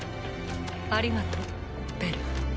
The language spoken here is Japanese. ありがとベル。